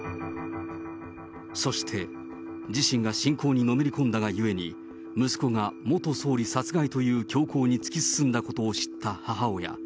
そして、自身が信仰にのめり込んだがゆえに、息子が元総理殺害という凶行に突き進んだことを知った母親。